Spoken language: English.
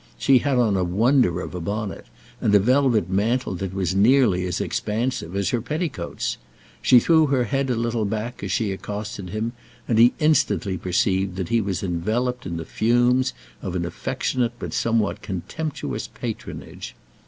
She had on a wonder of a bonnet, and a velvet mantle that was nearly as expansive as her petticoats. She threw her head a little back as she accosted him, and he instantly perceived that he was enveloped in the fumes of an affectionate but somewhat contemptuous patronage.